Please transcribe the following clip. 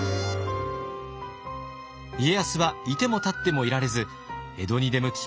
家康はいてもたってもいられず江戸に出向き